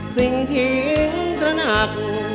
สิ่งที่ตระหนัก